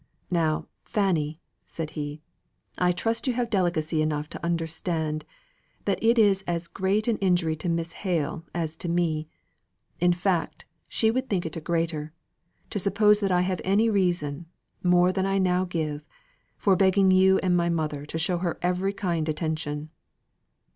Now, Fanny," said he, "I trust you have delicacy enough to understand, that it is as great an injury to Miss Hale as to me in fact, she would think it a greater to suppose that I have any reason, more than I now give, for begging you and my mother to show her every kindly attention."